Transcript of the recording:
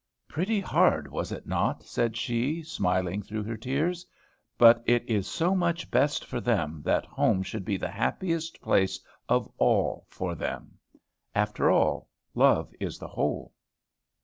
"Pretty hard, was it not?" said she, smiling through her tears. "But it is so much best for them that home should be the happiest place of all for them. After all, 'Love is the whole.'"